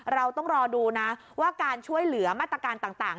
เราต้องรอดูนะว่าการช่วยเหลือมาตรการต่าง